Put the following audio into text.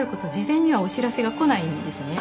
前にはお知らせが来ないんですね。